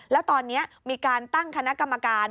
แล้วตอนนี้มีการตั้งคณะกรรมการ